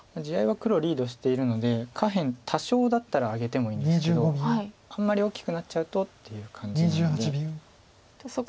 地合いは黒リードしているので下辺多少だったらあげてもいいんですけどあんまり大きくなっちゃうとっていう感じなので。